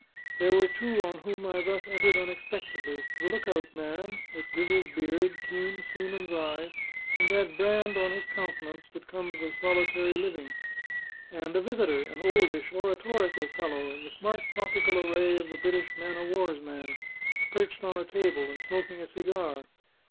There were two on whom I thus entered unexpectedly: the look out man, with grizzled beard, keen seaman's eyes, and that brand on his countenance that comes of solitary living; and a visitor, an oldish, oratorical fellow, in the smart tropical array of the British man o' war's man, perched on a table, and smoking a cigar.